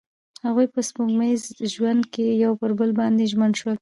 هغوی په سپوږمیز ژوند کې پر بل باندې ژمن شول.